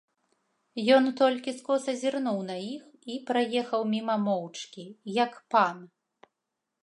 Ён толькі скоса зірнуў на іх і праехаў міма моўчкі, як пан.